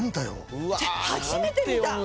初めて見た。